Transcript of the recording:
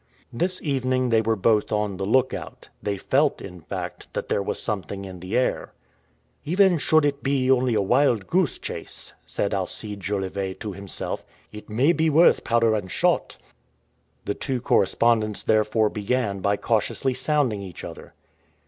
This evening they were both on the look out; they felt, in fact, that there was something in the air. "Even should it be only a wildgoose chase," said Alcide Jolivet to himself, "it may be worth powder and shot." The two correspondents therefore began by cautiously sounding each other.